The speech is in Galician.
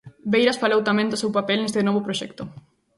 Beiras falou tamén do seu papel neste novo proxecto.